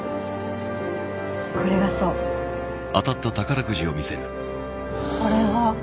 これがそうこれが？